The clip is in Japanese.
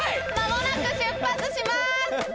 間もなく出発します！